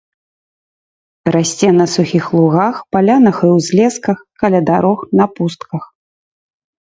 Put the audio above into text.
Расце на сухіх лугах, палянах і ўзлесках, каля дарог, на пустках.